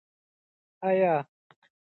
ایا دا درملنه ده؟